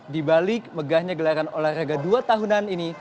di balik megahnya gelaran olahraga dua tahunan ini